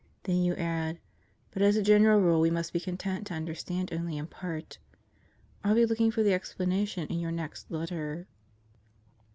Then you add: "But as a general rule, we must be content to understand only in part." I'll be looking for the explanation in your next letter.